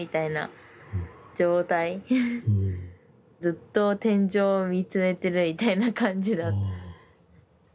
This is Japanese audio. ずっと天井見つめてるみたいな感じだった。